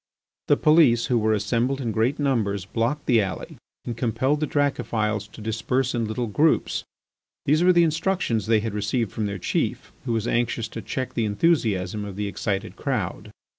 The police, who were assembled in great numbers, blocked the alley and compelled the Dracophils to disperse in little groups. These were the instructions they had received from their chief, who was anxious to check the enthusiasm of the excited crowd.